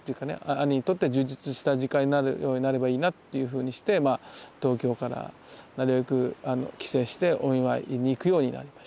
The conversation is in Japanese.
兄にとって充実した時間になるようになればいいなっていうふうにして東京からなるべく帰省してお見舞いに行くようになりました。